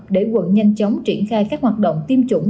để quận nhanh chóng triển khai các hoạt động tiêm chủng